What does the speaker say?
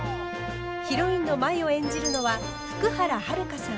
ヒロインの舞を演じるのは福原遥さん。